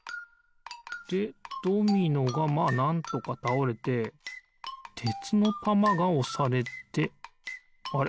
でドミノがまあなんとかたおれててつのたまがおされてあれ？